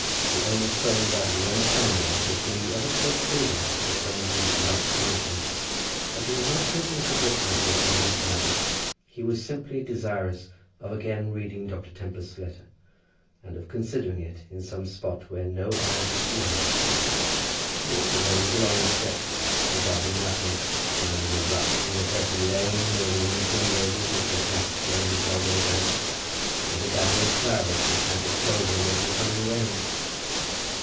The only friends out of his own family with whom he ever spoke freely were some of these rough parishioners. But he was not thinking of the brickmakers when he started. He was simply desirous of again reading Dr. Tempest's letter, and of considering it, in some spot where no eye could see him. He walked away with long steps, regarding nothing, neither the ruts in the dirty lane, nor the young primroses which were fast showing themselves on the banks, nor the gathering clouds which might have told him of the coming rain.